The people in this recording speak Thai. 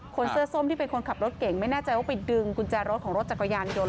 คนเสื้อส้มที่เป็นคนขับรถเก่งไม่แน่ใจว่าไปดึงกุญแจรถของรถจักรยานยนต